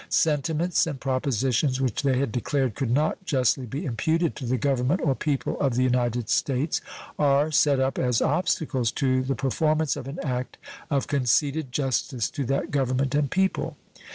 Sentiments and propositions which they had declared could not justly be imputed to the Government or people of the United States are set up as obstacles to the performance of an act of conceded justice to that Government and people.